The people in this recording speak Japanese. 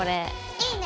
いいね！